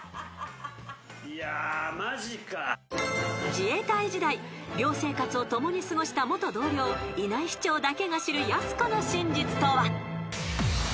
［自衛隊時代寮生活を共に過ごした元同僚稲井士長だけが知るやす子の真実とは？］